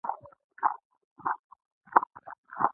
اکثره راپورنه چې د داخل نه مستقلې ادارې تر لاسه کوي